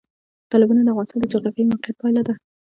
تالابونه د افغانستان د جغرافیایي موقیعت پایله ده.